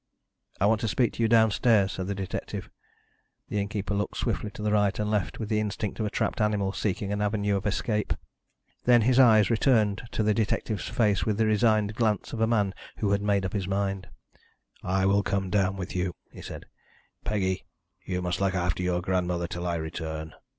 "I want to speak to you downstairs," said the detective. The innkeeper looked swiftly to the right and left with the instinct of a trapped animal seeking an avenue of escape. Then his eyes returned to the detective's face with the resigned glance of a man who had made up his mind. "I will come down with you," he said. "Peggy, you must look after your grandmother till I return."